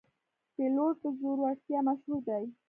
پیلوټ په زړورتیا مشهور دی.